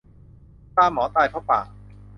ปลาหมอตายเพราะปาก